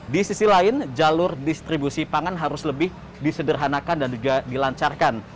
di sisi lain jalur distribusi pangan harus lebih disederhanakan dan dilancarkan